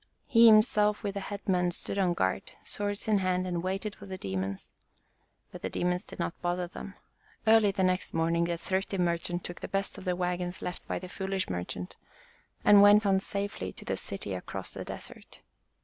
He him self with the head men stood on guard, swords in hand and waited for the demons. But the demons did not bother them. Early the next day the thrifty mer chant took the best of the wagons left by the foolish merchant and went on safely to the city across the desert.